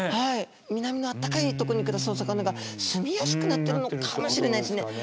南のあったかいとこに暮らすお魚がすみやすくなってるのかもしれないですね。